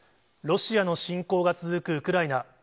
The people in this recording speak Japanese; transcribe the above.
ロシアの侵攻が続くウクライナ。